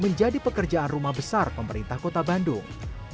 menjadi pekerjaan rumah besar pemerintah kota bandung